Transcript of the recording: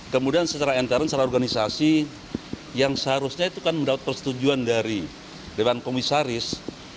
kemudian secara entaran secara organisasi yang seharusnya itu kan mendapat persetujuan dari dewan komisaris